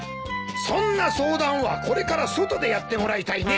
そんな相談はこれから外でやってもらいたいね。